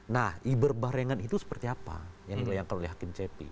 nah berbarengan itu seperti apa yang dibayangkan oleh hakim cepi